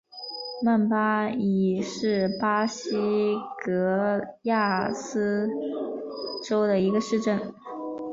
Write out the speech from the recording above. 曼巴伊是巴西戈亚斯州的一个市镇。